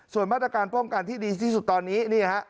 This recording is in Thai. ส่วนมาตรการป้องกันที่ดีที่สุดตอนนี้นี่ฮะ